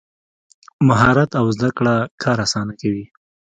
مهارت او زده کړه کار اسانه کوي.